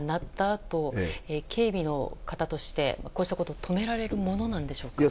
あと警備の方として、こうしたことは止められるものでしょうか？